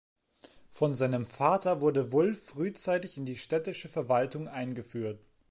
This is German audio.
Von seinem Vater wurde Wulf frühzeitig in die städtische Verwaltung eingeführt.